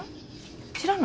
知らんの？